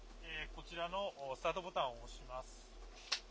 こちらのスタートボタンを押します。